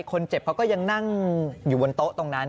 คนเจ็บเขาก็ยังนั่งอยู่บนโต๊ะตรงนั้น